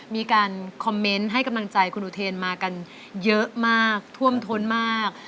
มีการคอมเมนต์ให้กำลังใจคุณอุเทนมากันเยอะมากท่วมท้นมาก